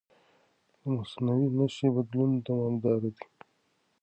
د مصنوعي نښې بدلون دوامداره دی.